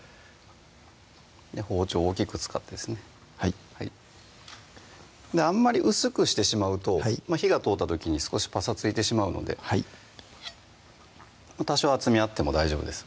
包丁を大きく使ってですねはいあんまり薄くしてしまうと火が通った時に少しぱさついてしまうので多少厚みあっても大丈夫です